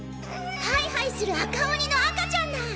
ハイハイする赤鬼の赤ちゃんだ！